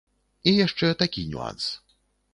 І яшчэ такі нюанс.